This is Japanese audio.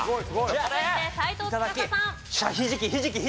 はい。